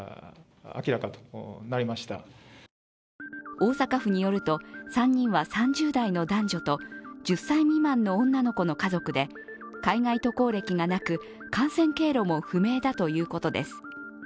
大阪府による３人は３０代の男女と１０歳未満の女の子の家族で、海外渡航歴がなく感染経路も不明だということです。